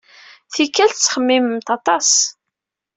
Tikkal, tettxemmimemt aṭas.